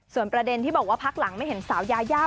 ส่วนประเด็นที่บอกว่าพักหลังไม่เห็นสาวยายา